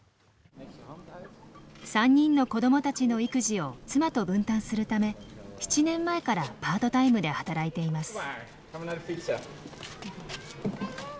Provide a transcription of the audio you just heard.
３人の子どもたちの育児を妻と分担するため７年前からパートタイムで働いています。